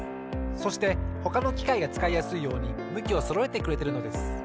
そしてほかのきかいがつかいやすいようにむきをそろえてくれてるのです。